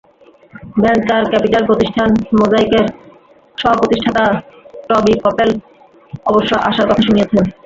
Venture capital প্রতিষ্ঠান মোজাইকের সহপ্রতিষ্ঠাতা টবি কপেল অবশ্য আশার কথা শুনিয়েছেন।